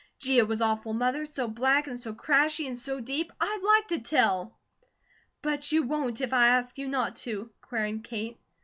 Gee, if was awful, Mother! So black, and so crashy, and so deep. I'd LIKE to tell!" "But you WON'T if I ask you not to?" queried Kate.